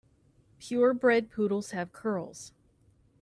Pure bred poodles have curls.